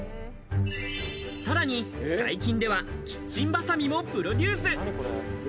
さらに最近ではキッチンバサミもプロデュース。